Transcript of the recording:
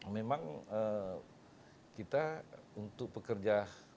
memang kita untuk pekerja